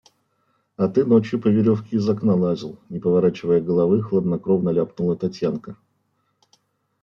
– А ты ночью по веревке из окна лазил, – не поворачивая головы, хладнокровно ляпнула Татьянка.